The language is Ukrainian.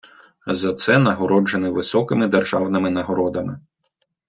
За це нагороджений високими державними нагородами.